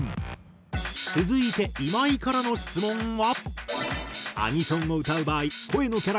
続いて今井からの質問は。